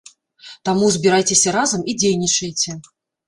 Таму збірайцеся разам і дзейнічайце.